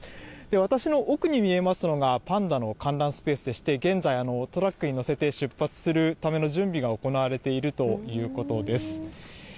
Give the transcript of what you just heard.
私の奥に見えますのがパンダの観覧スペースでして、現在、トラックに乗せて出発するための準備が行われているということです。